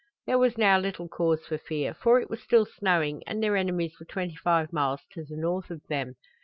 There was now little cause for fear, for it was still snowing and their enemies were twenty five miles to the north of them.